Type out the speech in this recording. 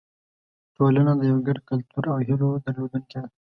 ټولنه د یو ګډ کلتور او هیلو درلودونکې ده.